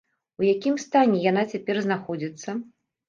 У якім стане яна цяпер знаходзіцца?